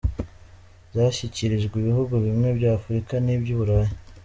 Zashyikirijwe ibihugu bimwe bya Afurika n’iby’i Burayi.”